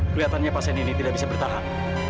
kelihatannya pasien ini tidak bisa bertahan